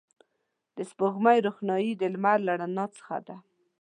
د سپوږمۍ روښنایي د لمر له رڼا څخه ده